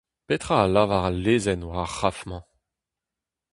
Petra a lavar al lezenn war ar c'hraf-mañ ?